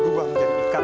gimana yah ini understand